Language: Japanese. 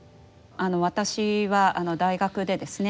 私は大学でですね